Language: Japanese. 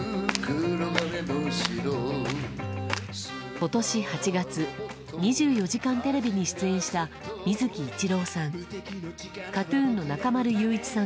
今年８月「２４時間テレビ」に出演した水木一郎さん。